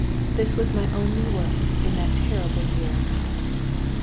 This was my only work in that terrible year.